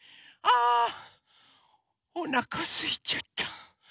あおなかすいちゃった。